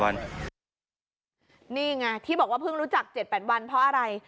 นี่ไงที่บอกว่าเพิ่งรู้จัก๗๘วันเพราะอะไร